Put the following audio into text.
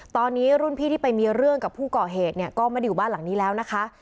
ตอนนี้รุ่นพี่ที่ไปมีเรื่องกับผู้ก่อเหตุเนี่ยก็ไม่ได้อยู่บ้านหลังนี้แล้วนะคะ